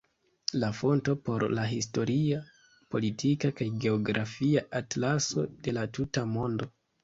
La fonto por la "Historia, Politika kaj Geografia Atlaso de la tuta mondo.